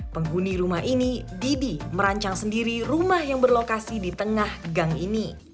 penghuni rumah ini didi merancang sendiri rumah yang berlokasi di tengah gang ini